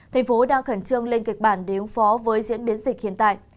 thành phố đang khẩn trương lên kịch bản để ứng phó với diễn biến dịch hiện tại